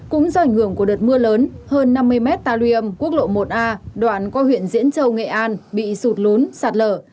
cũng do ảnh hưởng của đợt mưa lớn hơn năm mươi mét talium quốc lộ một a đoạn qua huyện diễn châu nghệ an bị sụt lốn sạt lở